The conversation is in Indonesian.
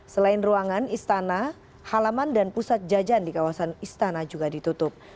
selain ruangan istana halaman dan pusat jajan di kawasan istana juga ditutup